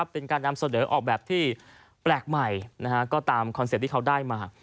เป็นการนำเสนอออกแบบที่แปลกใหม่ก็ตามคอนเซ็ปต์ที่เขาได้มา